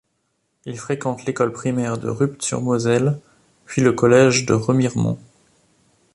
Il fréquente l'école primaire de Rupt-sur-Moselle, puis le collège de Remiremont.